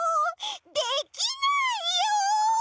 できないよ！